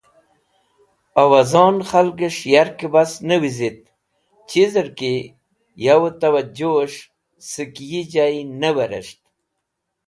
Owozon khalges̃h yarkẽ bas ne wizit chizẽr ki yo tawẽjus̃h sẽk yi jay ne weres̃ht.